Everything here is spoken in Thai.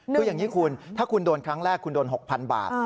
คืออย่างนี้คุณถ้าคุณโดนครั้งแรกคุณโดน๖๐๐๐บาท